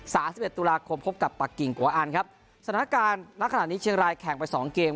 สิบเอ็ดตุลาคมพบกับปากกิ่งโกอันครับสถานการณ์ณขณะนี้เชียงรายแข่งไปสองเกม